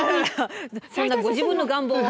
そんなご自分の願望を。